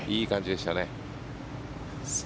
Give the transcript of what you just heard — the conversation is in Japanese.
いい感じでしたね。